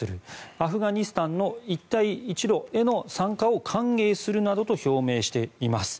アフガニスタンの一帯一路への参加を歓迎するなどと表明しています。